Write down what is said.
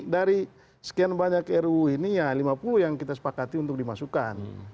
dari sekian banyak ruu ini ya lima puluh yang kita sepakati untuk dimasukkan